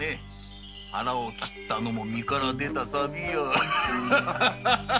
腹を切ったのも身から出たサビよ。